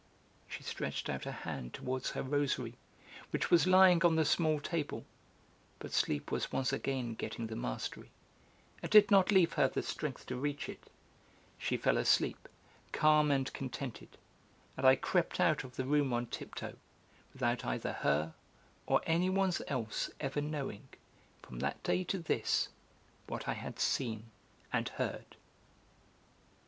She stretched out a hand towards her rosary, which was lying on the small table, but sleep was once again getting the mastery, and did not leave her the strength to reach it; she fell asleep, calm and contented, and I crept out of the room on tiptoe, without either her or anyone's else ever knowing, from that day to this, what I had seen and heard.